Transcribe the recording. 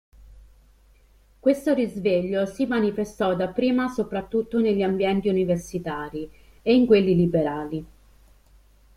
Questo risveglio si manifestò dapprima soprattutto negli ambienti universitari e in quelli liberali.